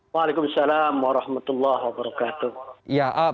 waalaikumsalam warahmatullahi wabarakatuh